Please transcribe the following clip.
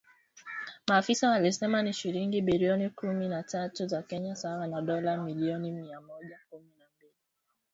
Maafisa walisema ni shilingi bilioni kumi na tatu za Kenya sawa na dola milioni mia moja kumi na mbili